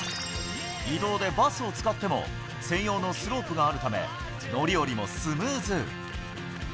移動でバスを使っても専用のスロープがあるので乗り降りもスムーズ。